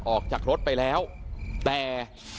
ออกจากรถไปแล้วแต่